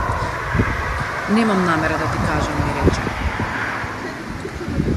Немам намера да ти кажам ми рече.